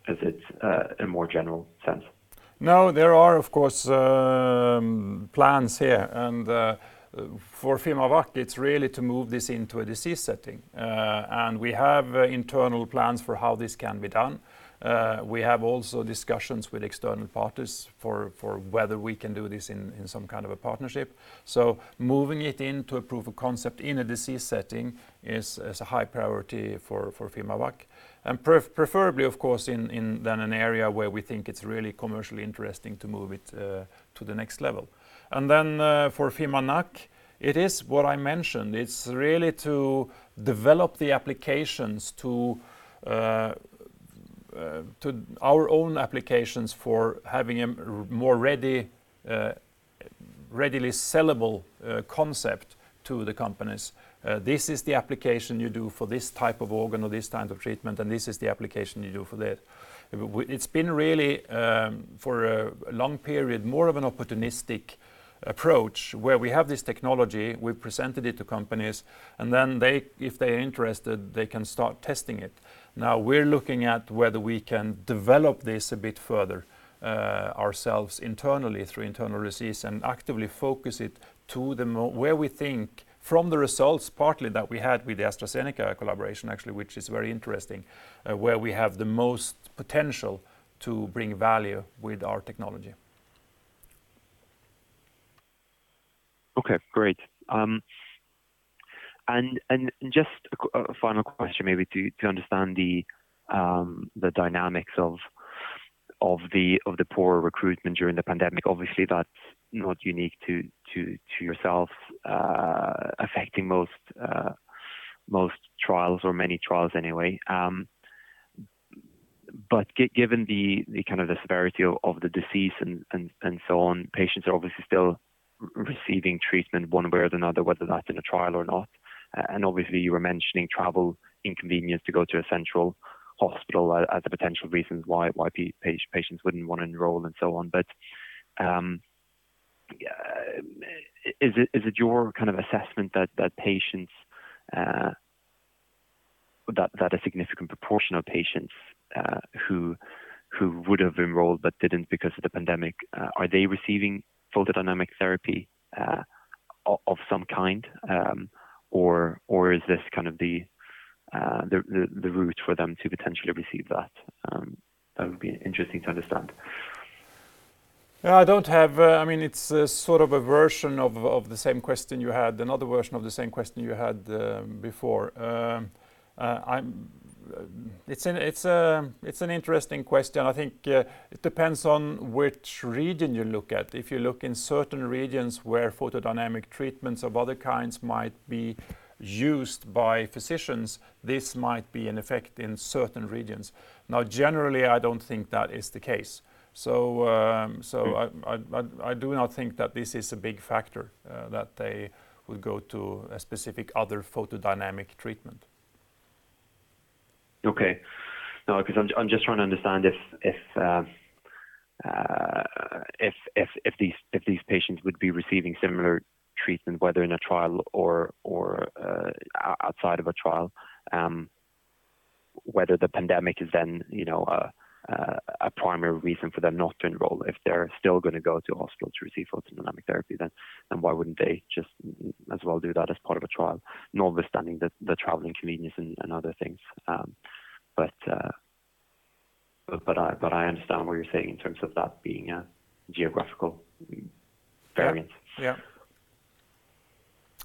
is it a more general sense? No, there are, of course, plans here. For fimaVacc, it's really to move this into a disease setting. We have internal plans for how this can be done. We have also discussions with external parties for whether we can do this in some kind of a partnership. Moving it into a proof of concept in a disease setting is a high priority for fimaVacc, and preferably, of course, in an area where we think it's really commercially interesting to move it to the next level. Then, for fimaNAc, it is what I mentioned. It's really to develop our own applications for having a more readily sellable concept to the companies. This is the application you do for this type of organ or this type of treatment, and this is the application you do for that. It's been really, for a long period, more of an opportunistic approach, where we have this technology, we've presented it to companies, and then if they are interested, they can start testing it. We're looking at whether we can develop this a bit further ourselves internally through internal disease and actively focus it to where we think, from the results partly that we had with the AstraZeneca collaboration, actually, which is very interesting, where we have the most potential to bring value with our technology. Okay, great. Just a final question, maybe to understand the dynamics of the poor recruitment during the pandemic. Obviously, that's not unique to yourself, affecting most trials or many trials anyway. Given the severity of the disease and so on, patients are obviously still receiving treatment one way or another, whether that's in a trial or not. Obviously, you were mentioning travel inconvenience to go to a central hospital as a potential reason why patients wouldn't want to enroll, and so on. Is it your assessment that a significant proportion of patients who would have enrolled but didn't because of the pandemic, are they receiving photodynamic therapy of some kind? Or is this the route for them to potentially receive that? That would be interesting to understand. It's sort of a version of the same question you had, another version of the same question you had before. It's an interesting question. I think it depends on which region you look at. If you look in certain regions where photodynamic treatments of other kinds might be used by physicians, this might be an effect in certain regions. Generally, I don't think that is the case. I do not think that this is a big factor that they would go to a specific other photodynamic treatment. Okay. No, because I'm just trying to understand if these patients would be receiving similar treatment, whether in a trial or outside of a trial, whether the pandemic is then a primary reason for them not to enroll. If they're still going to go to hospital to receive photodynamic therapy, then why wouldn't they just as well do that as part of a trial, notwithstanding the traveling convenience and other things. I understand what you're saying in terms of that being a geographical variant. Yeah.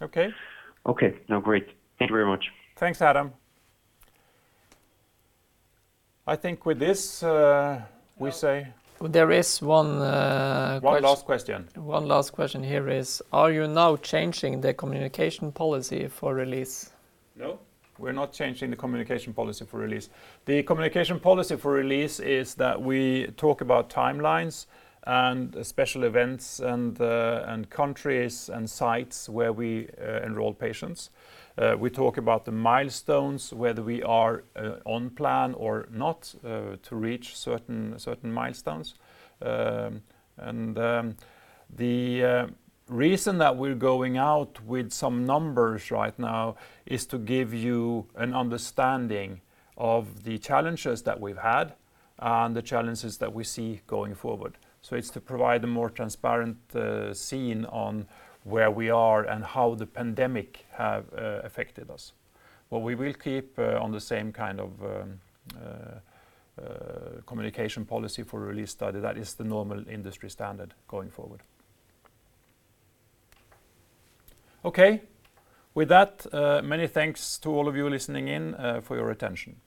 Okay. Okay. No, great. Thank you very much. Thanks, Adam. There is one. One last question. One last question here is, are you now changing the communication policy for RELEASE? We're not changing the communication policy for RELEASE. The communication policy for RELEASE is that we talk about timelines and special events and countries and sites where we enroll patients. We talk about the milestones, whether we are on plan or not to reach certain milestones. The reason that we're going out with some numbers right now is to give you an understanding of the challenges that we've had and the challenges that we see going forward. It's to provide a more transparent scene on where we are and how the pandemic have affected us. We will keep on the same kind of communication policy for RELEASE study that is the normal industry standard going forward. Okay. With that, many thanks to all of you listening in for your attention.